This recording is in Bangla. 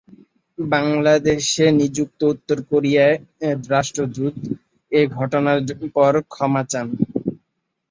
বাংলাদেশে নিযুক্ত উত্তর কোরীয় রাষ্ট্রদূত এ ঘটনার পর ক্ষমা চান।